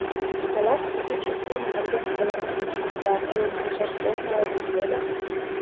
Тылат кӱтӱчӧ кӱлмӧ нерген колынам маньым да мыйым пашашке от нал гын, йодым.